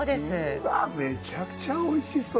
うわめちゃくちゃおいしそう。